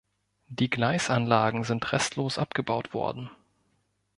Die Gleisanlagen sind restlos abgebaut worden.